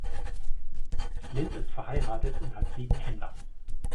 Lind ist verheiratet und hat sieben Kinder.